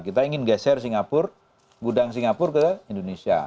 kita ingin geser singapura gudang singapura ke indonesia